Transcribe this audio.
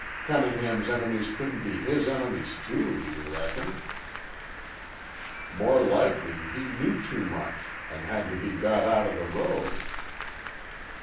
Cunningham's enemies couldn't be his enemies, too, do you reckon?" "More likely he knew too much an' had to be got out of the road."